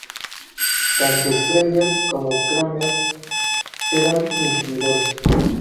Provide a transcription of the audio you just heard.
Tanto Sprenger como Kramer eran inquisidores.